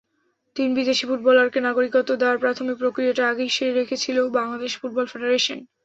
তিন বিদেশি ফুটবলারকে নাগরিকত্ব দেওয়ার প্রাথমিক প্রক্রিয়াটা আগেই সেরে রেখেছিল বাংলাদেশ ফুটবল ফেডারেশন।